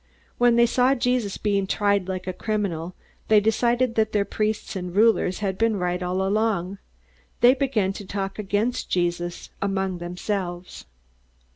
When they saw Jesus being tried like a criminal they decided that their priests and rulers had been right all along. They began to talk against Jesus, among themselves.